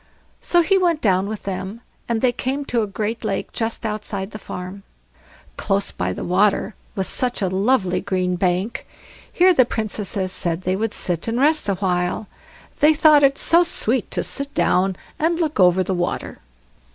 So he went down with them, and they came to a great lake just outside the farm. Close by the water was such a lovely green bank; here the Princesses said they would sit and rest a while; they thought it so sweet to sit down and look over the water.